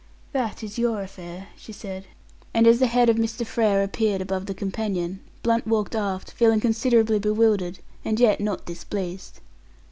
"That is your affair," she said; and as the head of Mr. Frere appeared above the companion, Blunt walked aft, feeling considerably bewildered, and yet not displeased.